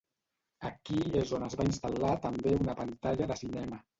Aquí és on es va instal·lar també una pantalla de cinema.